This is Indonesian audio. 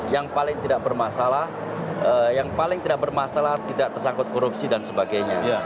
yang paling tidak bermasalah yang paling tidak bermasalah tidak tersangkut korupsi dan sebagainya